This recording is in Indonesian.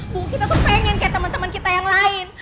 bu kita tuh pengen kayak teman teman kita yang lain